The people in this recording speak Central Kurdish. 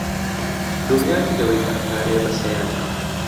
دڵنیا نیم لەوەی کە ئەم پارەیە بەسە یان نا.